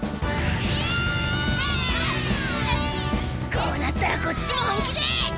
こうなったらこっちも本気で。